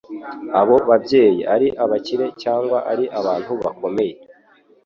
abo babyeyi ari abakire cyangwa ari abantu bakomeye